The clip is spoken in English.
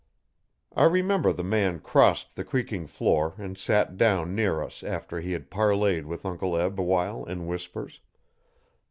I remember the man crossed the creaking floor and sat down near us after he had parleyed with Uncle Eb awhile in whispers.